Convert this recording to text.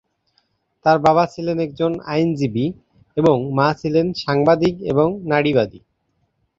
তার বাবা ছিলেন একজন আইনজীবী এবং মা ছিলেন সাংবাদিক এবং নারীবাদী।